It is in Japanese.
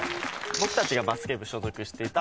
僕たちがバスケ部所属していた。